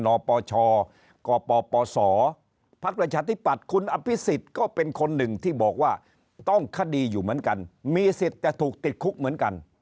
นปชกปปสทพชทคุอภิษฎก็เป็นคนหนึ่งที่บอกว่าต้องคดีอยู่เหมือนกันมีสิทธิ์แต่ถูกติดคุกเหมือนกัน